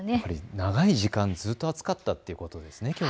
長い時間、ずっと暑かったということですね。